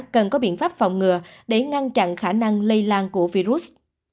cần có biện pháp phòng ngừa để ngăn chặn khả năng lây lan của virus